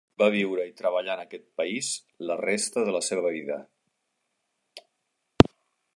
Va viure i treballar en aquest país la resta de la seva vida.